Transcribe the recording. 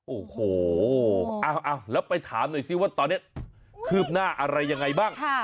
โอ้โหแล้วไปถามหน่อยซิว่าตอนนี้คืบหน้าอะไรยังไงบ้าง